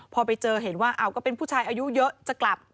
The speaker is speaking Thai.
พอไปเจอเห็นว่าก็เป็นผู้ชายอายุเยอะจะกลับ